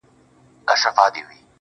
حمزه او د هنر ښکلا